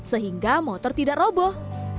sehingga motor tidak roboh